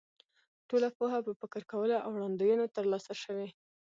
ټوله پوهه په فکر کولو او وړاندوینو تر لاسه شوې.